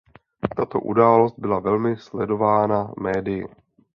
Tato událost byla velmi sledována médii.